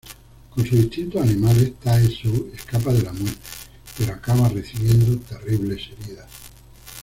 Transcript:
Con sus instintos animales, Tae-soo escapa de la muerte, pero acaba recibiendo terribles heridas.